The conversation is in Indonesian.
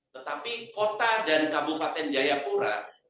tetapi kota dan kabupaten jayapura